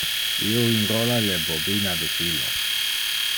Io inrola le bobina de filos.